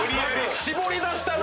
絞り出したなぁ！